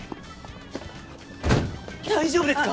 大丈夫ですか！？